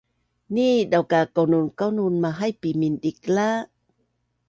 nii dau ka kaununkaunun mahaipi mindikla